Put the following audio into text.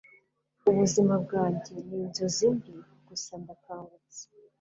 ubuzima bwanjye ninzozi mbi, gusa ndakangutse